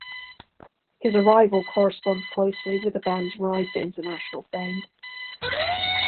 His arrival corresponds closely with the band's rise to international fame.